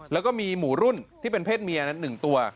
แล้วก็มีหมูรุ่นที่เป็นเพศเมีย๑ตัว